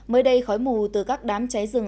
mới đây khói mù từ các đám cháy rừng